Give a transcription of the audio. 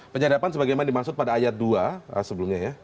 penyadapan sebagaimana dimaksud pada ayat dua sebelumnya ya